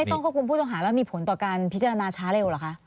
ต้องควบคุมผู้ต้องหาแล้วมีผลต่อการพิจารณาช้าเร็วเหรอคะ